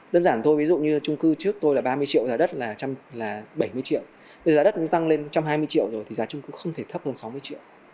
đơn giản thôi ví dụ như trung cư trước tôi là ba mươi triệu giá đất là bảy mươi triệu bây giờ giá đất cũng tăng lên một trăm hai mươi triệu rồi thì giá chung cũng không thể thấp hơn sáu mươi triệu